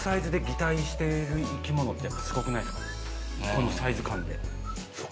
このサイズ感で。